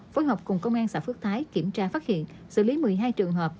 phối hợp cùng công an xã phước thái kiểm tra phát hiện xử lý một mươi hai trường hợp